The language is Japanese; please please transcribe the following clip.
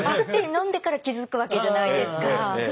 飲んでから気付くわけじゃないですか。